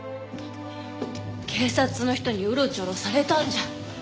警察の人にウロチョロされたんじゃ。